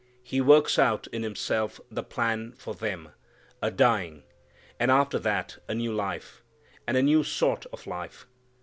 He works out in Himself the plan for them a dying, and after that a new life, and a new sort of life.